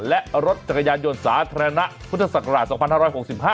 และรถจักรยานยนต์สาธารณะพุทธศักราช๒๕๖๕